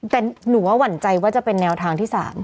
แต่หนูว่าหวั่นใจว่าจะเป็นแนวทางที่๓